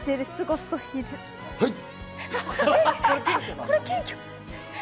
これ謙虚？